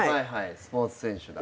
スポーツ選手だ。